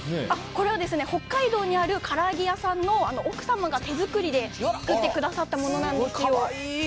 これは北海道にあるから揚げ屋さんの奥様が手作りで作ってくださったものなんですよ。